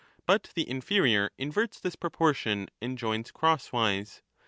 But the inferior inverts this proportion and joins crosswise.